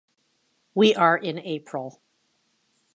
We are in April.